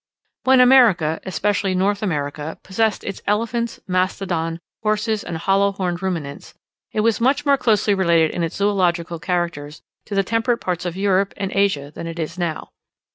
When America, and especially North America, possessed its elephants, mastodons, horse, and hollow horned ruminants, it was much more closely related in its zoological characters to the temperate parts of Europe and Asia than it now is.